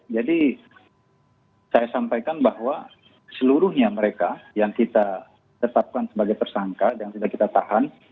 jadi saya sampaikan bahwa seluruhnya mereka yang kita tetapkan sebagai tersangka yang tidak kita tahan